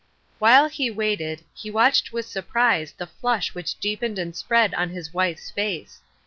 While he waited, he watched with surprise the flush which deepened and spread on his wife's face.